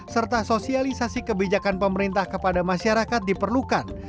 serta sosialisasi kebijakan pemerintah kepada masyarakat diperlukan